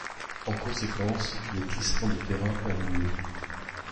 En conséquence, des glissements de terrain ont eu lieu.